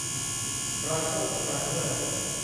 กระงกกระเงิ่น